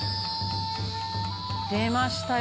「出ましたよ